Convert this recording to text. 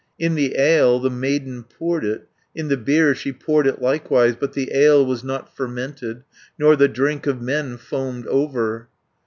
310 "In the ale the maiden poured it, In the beer she poured it likewise, But the ale was not fermented, Nor the drink of men foamed over.